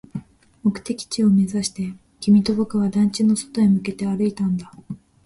目的地を目指して、君と僕は団地の外へ向けて歩いたんだ